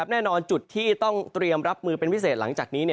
แน่นอนจุดที่ต้องเตรียมรับมือเป็นพิเศษหลังจากนี้